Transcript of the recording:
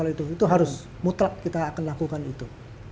itu harus mutlak kita akan lakukan itu